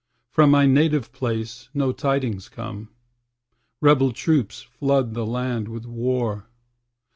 From my native place no tidings come; Rebel troops flood the land with war.